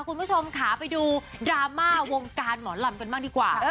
คุณผู้ชมค่ะไปดูดราม่าวงการหมอลำกันบ้างดีกว่า